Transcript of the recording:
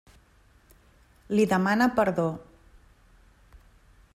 Li demana perdó.